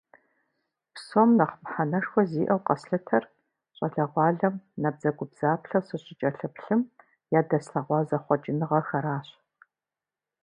Псом нэхъ мыхьэнэшхуэ зиӏэу къэслъытэр, щӏалэгъуалэм набдзэгубдзаплъэу сыщыкӏэлъыплъым, ядэслъэгъуа зэхъуэкӏыныгъэхэращ.